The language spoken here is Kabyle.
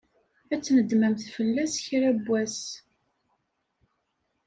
Ad tnedmemt fell-as kra n wass.